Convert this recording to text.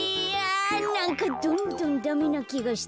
なんかどんどんダメなきがしてきた。